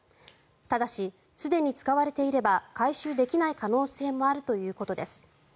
ただし、すでに使われていれば回収できない可能性もあるということです。